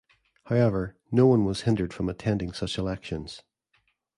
However, no one was hindered from attending such elections.